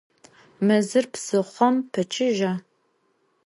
Mezır psıxhom peçıja?